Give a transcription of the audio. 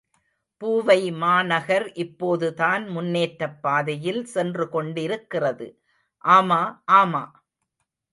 பூவைமாநகர் இப்போதுதான் முன்னேற்றப் பாதையில் சென்று கொண்டிருக்கிறது ஆமா, ஆமா!